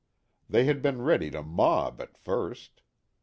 They had been ready to mob at first.